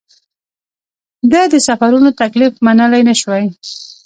ده د سفرونو تکلیف منلای نه شوای.